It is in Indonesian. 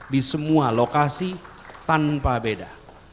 di semua lokasi tanpa beda